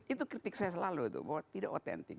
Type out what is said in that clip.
itu kritik saya selalu bahwa tidak otentik